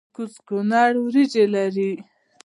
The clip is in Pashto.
کوز کونړ وریجې لري؟